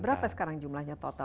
berapa sekarang jumlahnya total